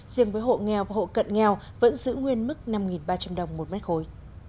riêng với hộ nghèo và hộ cận nghèo vẫn giữ nguyên mức năm ba trăm linh đồng một mét khối